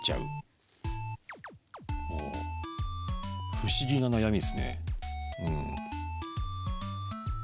不思議な悩みですね。